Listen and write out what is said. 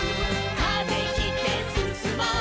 「風切ってすすもう」